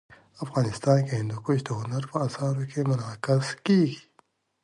افغانستان کي هندوکش د هنر په اثارو کي منعکس کېږي.